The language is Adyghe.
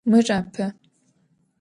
Mır 'ape.